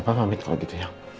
papa pamit kalau gitu ya